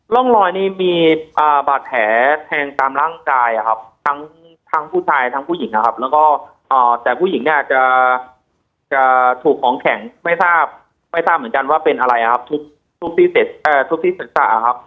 ร่องรอยนี้มีบาดแผลแทงตามร่างกายครับทั้งผู้ชายทั้งผู้หญิงนะครับแล้วก็แต่ผู้หญิงเนี่ยอาจจะถูกของแข็งไม่ทราบไม่ทราบเหมือนกันว่าเป็นอะไรครับทุบที่ทุบที่ศีรษะครับ